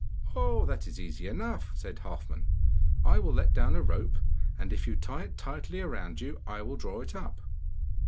'Oh, that is easy enough,' said Halfman. 'I will let down a rope, and if you tie it tightly round you, I will draw it up.